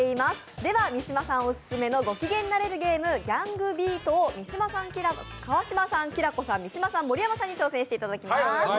では、三島さんオススメのごきげんになれるゲーム「ＧａｎｇＢｅａｓｔｓ」を川島さん、きらこさん、三島さん盛山さんに挑戦していただきます。